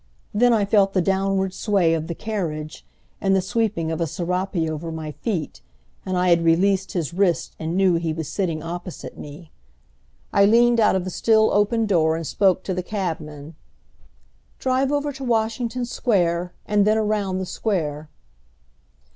Then I felt the downward sway of the carriage, and the sweeping of a serape over my feet; and I had released his wrist and knew he was sitting opposite me. I leaned out of the still open door and spoke to the cabman. "Drive over to Washington Square, and then around the Square."